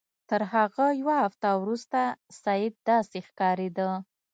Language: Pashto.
تر هغه یوه هفته وروسته سید داسې ښکارېده.